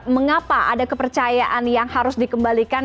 mengapa ada kepercayaan yang harus dikembalikan